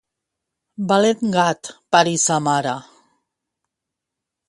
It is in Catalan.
Valent gat parí sa mare!